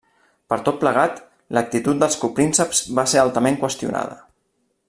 Per tot plegat, l'actitud dels coprínceps va ser altament qüestionada.